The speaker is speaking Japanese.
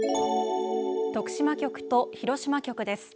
徳島局と広島局です。